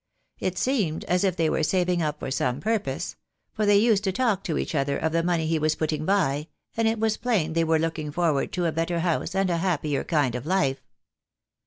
It seemed as if they were saving up for some purpose — for they used to talk to each other of the money he was putting by, and it was plain they were looking forward to a better house and a happier kind of life.